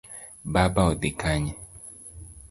Baba odhi Kanye?